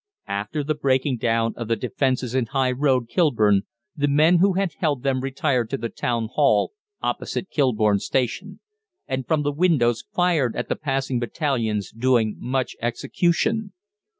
After the breaking down of the defences in High Road, Kilburn, the men who had held them retired to the Town Hall, opposite Kilburn Station, and from the windows fired at the passing battalions, doing much execution.